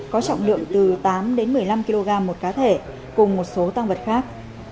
có trọng lượng từ tám đến một mươi năm kg một cá thể cùng một số tăng vật khác